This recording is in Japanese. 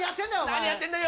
何やってんだよ。